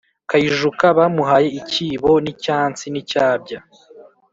Kayijuka bamuhaye ikibo, n’icyansi, n’icyabya